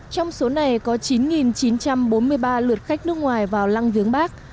trong số này có chín chín trăm bốn mươi ba lượt khách nước ngoài vào lăng viếng bắc